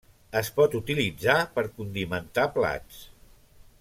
Es pot utilitzar per condimentar plats.